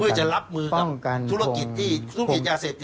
เพื่อจะรับมือกับธุรกิจยาเสพ